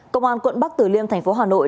công an quận bắc tử liêm tp hà nội